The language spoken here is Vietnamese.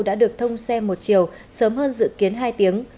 đã được thông xe một chiều sớm hơn dự kiến hai tiếng